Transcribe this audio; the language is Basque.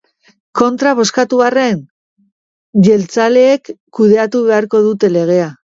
Kontra bozkatu arren, jeltzaleek kudeatu beharko dute legea.